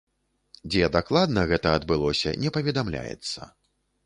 Дзе дакладна гэта адбылося, не паведамляецца.